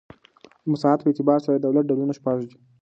د مساحت په اعتبار سره د دولت ډولونه شپږ دي.